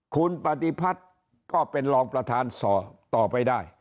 คุณปฏิพัฒน์ก็เป็นรองประธานต่อไปได้